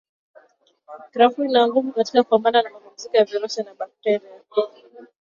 Krafuu ina nguvu katika kupambana na maambukizo ya virusi na bakteria